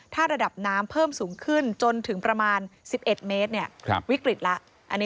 ถ้าระดับน้ำเพิ่มสูงขึ้นจนถึงประมาณ๑๑เมตรวิกฤตแล้ว